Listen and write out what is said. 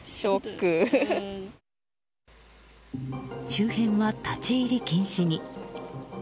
周辺は立ち入り禁止に。